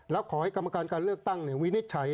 แล้วขอให้กรรมการการเลือกตั้งวินิจฉัย